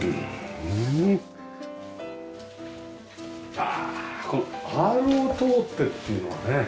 ああこのアールを通ってっていうのはね。